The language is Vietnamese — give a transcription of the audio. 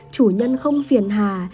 chủ nhân không phiền hà